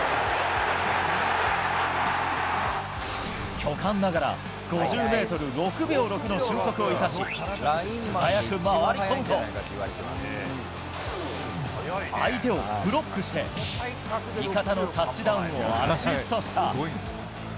巨漢ながら、５０メートル６秒６の俊足を生かし、素早く回り込むと、相手をブロックして、味方のタッチダウンをアシストした。